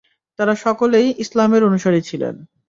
তারা সকলেই ইসলামের অনুসারী ছিলেন।